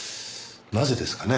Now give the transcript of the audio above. なぜですかね？